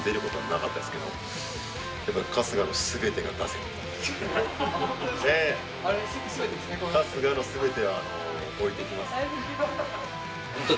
春日の全ては置いていきますんで。